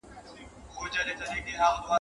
څومره چي ته ورته اړتیا لرې